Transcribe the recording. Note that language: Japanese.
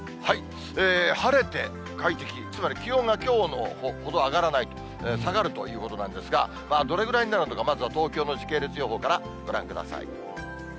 晴れて快適、つまり気温がきょうほど上がらないと、下がるということなんですが、どれぐらいになるのか、まずは東京の時系列予報からご覧ください。